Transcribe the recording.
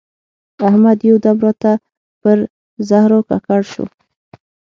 احمد یو دم راته پر زهرو ککړ شو.